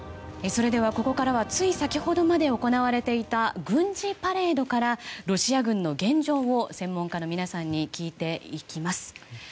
それではここからはつい先ほどまで行われていた軍事パレードからロシア軍の現状を専門家の皆さんに聞いていきます。